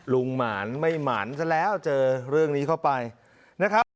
หมานไม่หมานซะแล้วเจอเรื่องนี้เข้าไปนะครับ